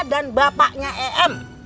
dan bapaknya em